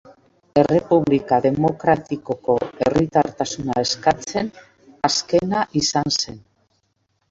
Errepublika Demokratikoko herritartasuna eskatzen azkena izan zen.